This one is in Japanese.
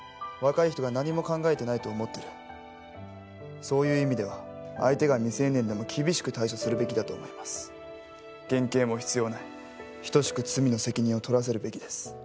若い人が何も考えてないと思ってるそういう意味では相手が未成年でも厳しく対処するべきだと思います減刑も必要ない等しく罪の責任を取らせるべきです